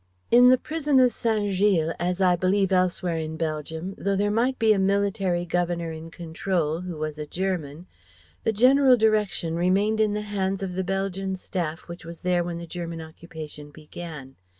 In the prison of Saint Gilles as I believe elsewhere in Belgium though there might be a military governor in control who was a German, the general direction remained in the hands of the Belgian staff which was there when the German occupation began.